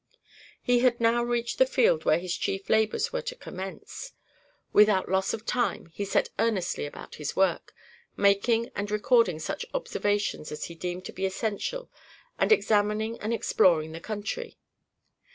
He had now reached the field where his chief labors were to commence. Without loss of time he set earnestly about his work, making and recording such observations as he deemed to be essential and examining and exploring the country.